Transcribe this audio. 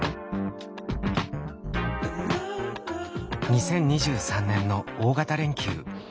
２０２３年の大型連休。